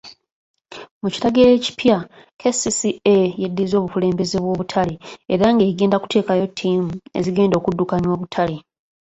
Mu kiragiro ekipya, KCCA yeddiza obukulembeze bw'obutale era ng'egenda kuteekayo ttiimu ezigenda okuddukanya obutale.